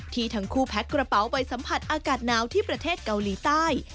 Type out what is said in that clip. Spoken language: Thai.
ที่ทั้งคู่แพ็คกระเป๋าไปสัมผัสอากาศหนาวที่ประเทศเกาหลีใต้